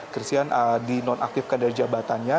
christian dinonaktifkan dari jabatannya